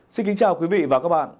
xin kính chào quý vị và các bạn